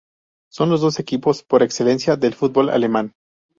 Son los dos equipos por excelencia del fútbol alemán.